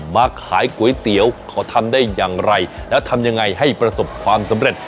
มาขายก๋วยเตี๋ยวเขาทำได้อย่างไรแล้วทำยังไงให้ประสบความสำเร็จ